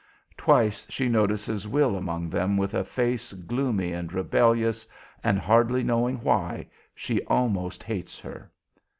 Twice she notices Will among them with a face gloomy and rebellious, and, hardly knowing why, she almost hates her.